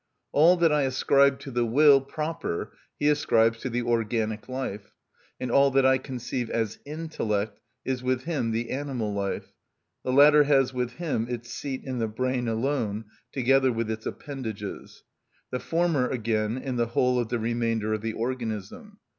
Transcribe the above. All that I ascribe to the will proper he ascribes to the organic life, and all that I conceive as intellect is with him the animal life: the latter has with him its seat in the brain alone, together with its appendages: the former, again, in the whole of the remainder of the organism.